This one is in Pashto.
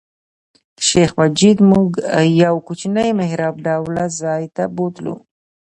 شیخ مجید موږ یو کوچني محراب ډوله ځای ته بوتلو.